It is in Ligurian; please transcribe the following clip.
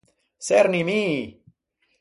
Çerni mi!